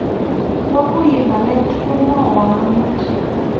kwaguiye ngalek chekwemwowon amut